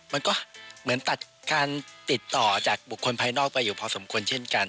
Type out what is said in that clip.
มันก็เหมือนตัดการติดต่อจากบุคคลภายนอกไปอยู่พอสมควรเช่นกัน